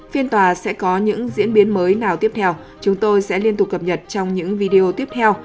phiên tòa sẽ có những diễn biến mới nào tiếp theo chúng tôi sẽ liên tục cập nhật trong những video tiếp theo